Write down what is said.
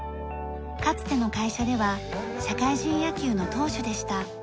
かつての会社では社会人野球の投手でした。